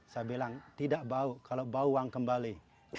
saya bilang tidak bau kalau bau uang kembali